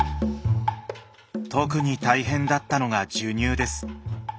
特に大変だったのが授乳です。